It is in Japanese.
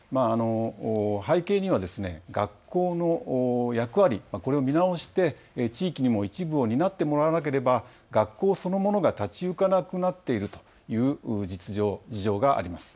背景には学校の役割、これを見直して地域にも一部を担ってもらわなければ学校そのものが立ち行かなくなっているという事情があります。